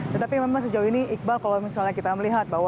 tetapi memang sejauh ini iqbal kalau misalnya kita melihat bahwa